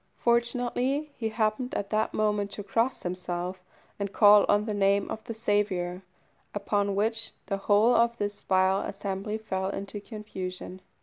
Fortunately he happened at that moment to cross himself and call on the name of the Saviour, upon which the whole of this vile assembly fell into confusion.